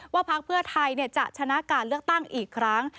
พักเพื่อไทยจะชนะการเลือกตั้งอีกครั้ง